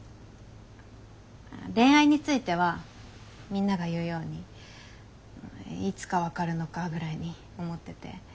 恋愛についてはみんなが言うようにいつか分かるのかぐらいに思ってて。